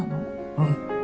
うん。